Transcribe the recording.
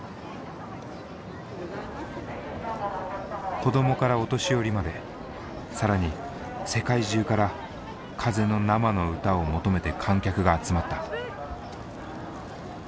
子どもからお年寄りまで更に世界中から風の生の歌を求めて観客が集まった。